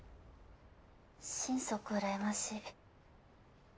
心底うらやましい